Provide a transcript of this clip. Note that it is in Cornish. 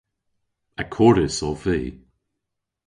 Akordys ov vy.